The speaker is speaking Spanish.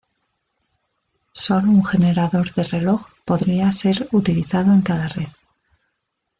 Sólo un generador de reloj podría ser utilizado en cada red.